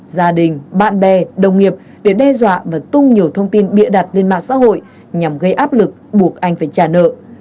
gia đình bạn bè đồng nghiệp để đe dọa và tung nhiều thông tin bịa đặt lên mạng xã hội nhằm gây áp lực buộc anh phải trả nợ